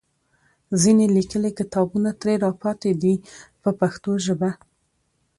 ځینې لیکلي کتابونه ترې راپاتې دي په پښتو ژبه.